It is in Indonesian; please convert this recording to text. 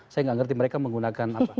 saya tidak mengerti mereka menggunakan apa